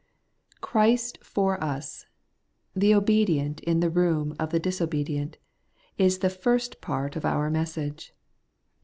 ' /Christ for us/ the obedient in the room of the ^^ disobedient, is the first part of our message.